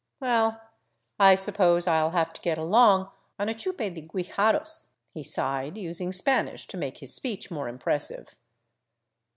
" Well, I suppose I '11 have to get along on a chupe de guijarros," he sighed, using Spanish to make his speech more impressive.